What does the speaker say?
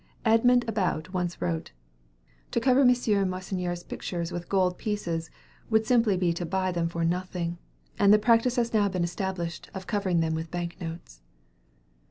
Edmund About once wrote, "To cover M. Meissonier's pictures with gold pieces simply would be to buy them for nothing; and the practice has now been established of covering them with bank notes."